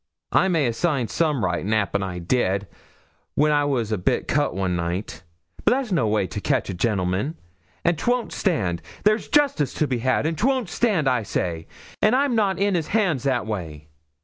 I may a' signed some writing 'appen I did when I was a bit cut one night. But that's no way to catch a gentleman, and 'twon't stand. There's justice to be had, and 'twon't stand, I say; and I'm not in 'is hands that way.